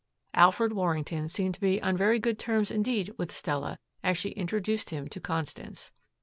Alfred Warrington seemed to be on very good terms indeed with Stella as she introduced him to Constance.